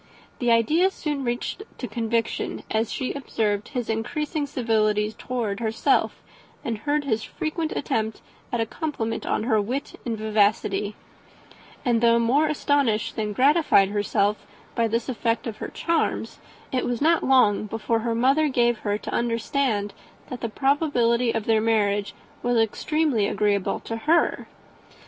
The idea soon reached to conviction, as she observed his increasing civilities towards herself, and heard his frequent attempt at a compliment on her wit and vivacity; and though more astonished than gratified herself by this effect of her charms, it was not long before her mother gave her to understand that the probability of their marriage was exceedingly agreeable to her.